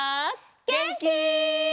げんき？